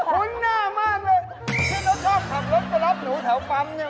คุณหน้ามากเลยที่เราชอบขับรถกระรอบหนูแถวปั๊มใช่ไหม